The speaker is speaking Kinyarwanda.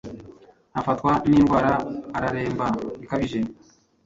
afatwa n’indwara araremba bikabije